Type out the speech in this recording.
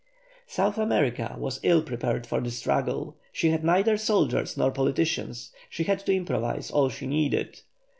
South America was ill prepared for the struggle; she had neither soldiers nor politicians, she had to improvise all she needed.